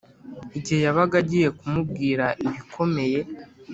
igihe yabaga agiye kumubwira ibikomeye